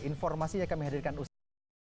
informasinya kami hadirkan ustaz dira